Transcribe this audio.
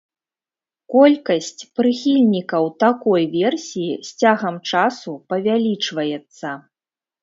Колькасць прыхільнікаў такой версіі з цягам часу павялічваецца.